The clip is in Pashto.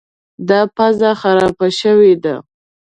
دا پزه خرابه شوې ده.